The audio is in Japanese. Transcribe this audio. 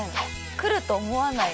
来ると思わない？